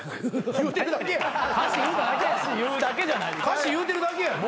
歌詞言うてるだけやん。